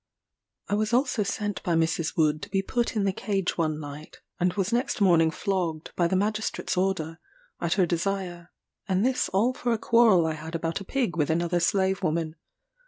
I was also sent by Mrs. Wood to be put in the Cage one night, and was next morning flogged, by the magistrate's order, at her desire; and this all for a quarrel I had about a pig with another slave woman.